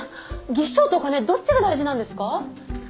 技師長とお金どっちが大事なんですか？